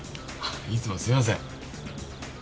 いつもすいません。